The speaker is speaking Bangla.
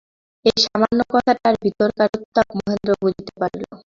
এই সামান্য কথাটার ভিতরকার উত্তাপ মহেন্দ্র বুঝিতে পারিল।